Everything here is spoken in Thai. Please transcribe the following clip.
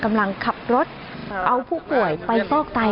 กำลังขับรถเอาผู้ป่วยไปฟอกไต